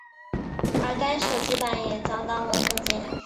而该手机版也遭到了破解。